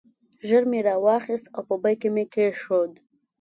ژر مې را واخیست او په بیک کې مې کېښود.